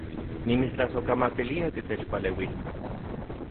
Nimitstlasojkamatilia titechpaleuijtok